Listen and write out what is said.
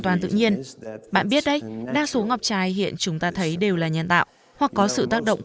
toàn tự nhiên bạn biết đấy đa số ngọc trai hiện chúng ta thấy đều là nhân tạo hoặc có sự tác động